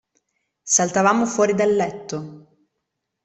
Saltavamo fuori dal letto.